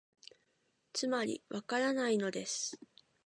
つまり、わからないのです